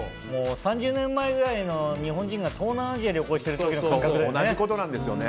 ３０年前ぐらいの日本人が東南アジアを旅行してる時の感覚だよね。